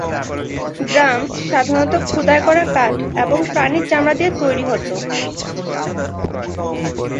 Drums সাধারণত খোদাই করা কাঠ এবং প্রাণী চামড়া দিয়ে তৈরি হত।